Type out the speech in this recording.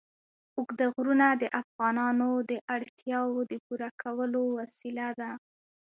اوږده غرونه د افغانانو د اړتیاوو د پوره کولو وسیله ده.